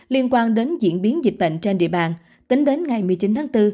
liên quan đến diễn biến dịch bệnh trên địa bàn tính đến ngày một mươi chín tháng bốn